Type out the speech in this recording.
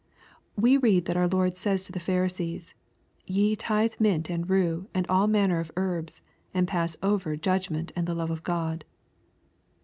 We read that our Lord says to the Pharisees, " Ye tithe mint and rue, and all manner of herbs, and pass over judgment and the love of God."